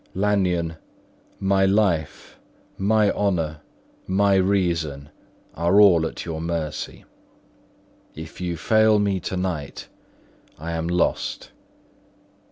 Lanyon, my life, my honour, my reason, are all at your mercy; if you fail me to night, I am lost.